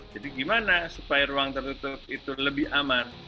jadi gimana supaya ruang tertutup itu lebih aman